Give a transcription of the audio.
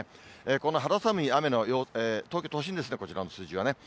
この肌寒い雨、東京都心ですね、こちらの数字はね。